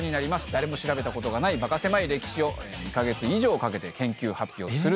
誰も調べたことがないバカせまい歴史を２カ月以上かけて研究発表する番組です。